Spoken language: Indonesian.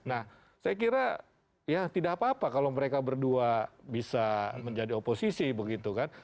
nah saya kira ya tidak apa apa kalau mereka berdua bisa menjadi oposisi begitu kan